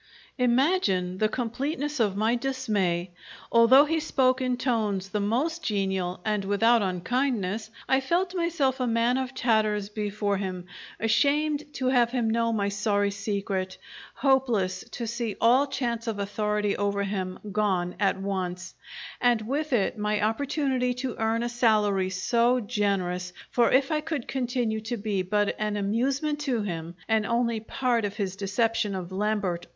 Imagine the completeness of my dismay! Although he spoke in tones the most genial, and without unkindness, I felt myself a man of tatters before him, ashamed to have him know my sorry secret, hopeless to see all chance of authority over him gone at once, and with it my opportunity to earn a salary so generous, for if I could continue to be but an amusement to him and only part of his deception of Lambert R.